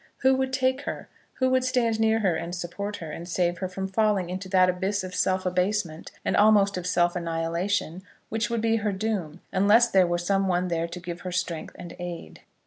Who would take her? Who would stand near her and support her, and save her from falling into that abyss of self abasement and almost of self annihilation which would be her doom, unless there were some one there to give her strength and aid?